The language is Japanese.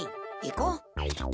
行こう。